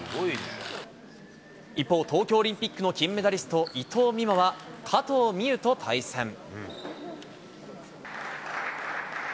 一方、東京オリンピックの金メダリスト、伊藤美誠は、加藤美優と対戦。